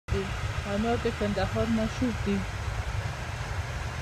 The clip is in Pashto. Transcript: انار د کندهار مشهور دي